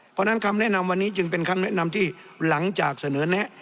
เพราะฉะนั้นคำแนะนำวันนี้จึงเป็นคำแนะนำที่หลังจากเสนอแนะ